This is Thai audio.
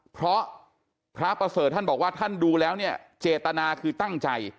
เพราะพระประเสริฐท่านบอกว่าท่านดูแล้วเนี่ยเจตนาคือตั้งใจ